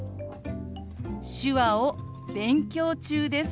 「手話を勉強中です」。